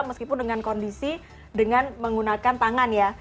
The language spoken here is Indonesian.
meskipun dengan kondisi dengan menggunakan tangan ya